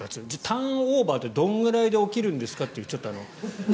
ターンオーバーってどのくらいで起きるんですかっていう。